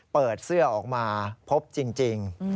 เปิดเสื้อออกมาพบจริง